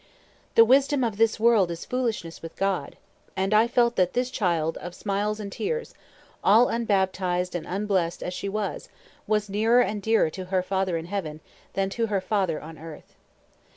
"The wisdom of this world is foolishness with God"; and I felt that this child of smiles and tears, all unbaptized and unblessed as she was, was nearer and dearer to her Father in heaven than to her father on earth.